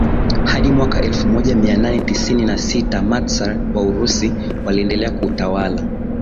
hadi mwaka elfu moja mia nane tisini na sita Matsar wa Urusi waliendelea kutawala